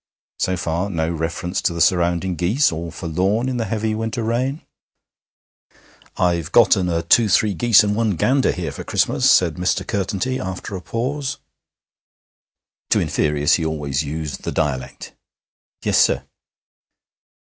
So far no reference to the surrounding geese, all forlorn in the heavy winter rain. 'I've gotten a two three geese and one gander here for Christmas,' said Mr. Curtenty after a pause. To inferiors he always used the dialect. 'Yes, sir.'